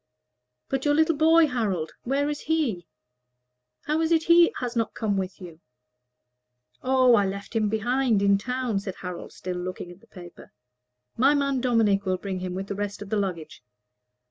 "But your little boy, Harold where is he? How is it he has not come with you?" "Oh, I left him behind, in town," said Harold, still looking at the paper. "My man Dominic will bring him, with the rest of the luggage.